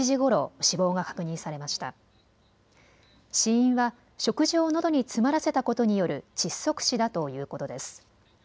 死因は食事をのどに詰まらせたことによる窒息死だということです。